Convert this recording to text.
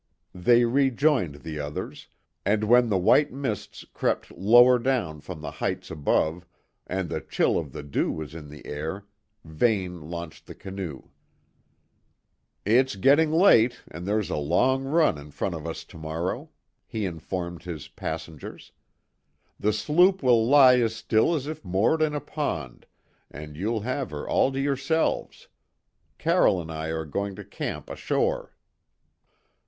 They rejoined the others, and when the white mists crept lower down from the heights above and the chill of the dew was in the air, Vane launched the canoe. "It's getting late, and there's a long run in front of us to morrow," he informed his passengers. "The sloop will lie as still as if moored in a pond, and you'll have her all to yourselves. Carroll and I are going to camp ashore."